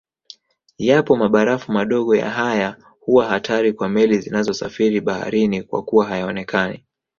Yapo mabarafu madogo na haya huwa hatari kwa meli zinazosafiri baharini kwakuwa hayaonekani